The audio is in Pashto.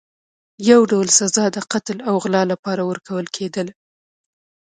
یو ډول سزا د قتل او غلا لپاره ورکول کېدله.